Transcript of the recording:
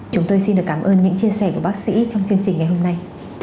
chúng tôi xin được cảm ơn những chia sẻ của bác sĩ trong chương trình ngày hôm nay